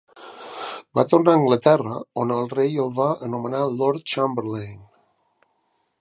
Va tornar a Anglaterra, on el rei el va anomenar Lord Chamberlain.